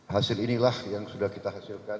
hasil inilah yang sudah kita hasilkan